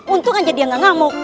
untung aja dia gak ngamuk